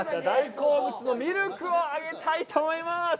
大好物のミルクをあげたいと思います。